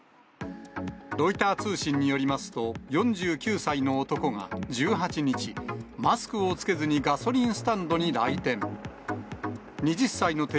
ロイター通信によりますと、４９歳の男が１８日、マスクを着けずにガソリンスタンドに来店。